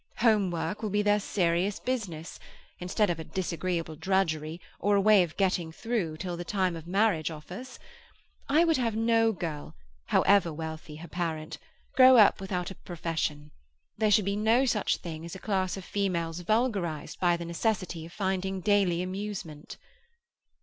Home work will be their serious business, instead of a disagreeable drudgery, or a way of getting through the time till marriage offers. I would have no girl, however wealthy her parent, grow up without a profession. There should be no such thing as a class of females vulgarized by the necessity of finding daily amusement."